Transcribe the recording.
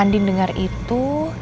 andin dengar itu